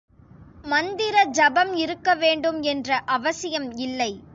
மந்திர ஜபம் இருக்க வேண்டும் என்ற அவசியம் இல்லை.